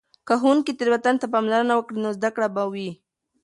که ښوونکې تیروتنې ته پاملرنه وکړي، نو زده کړه به وي.